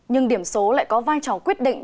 nhưng điểm số lại có vai trò quyết định